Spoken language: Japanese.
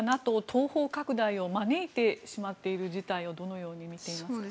東方拡大を招いしてしまっている事態をどのように見ていますか？